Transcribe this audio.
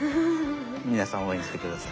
皆さん応援して下さい。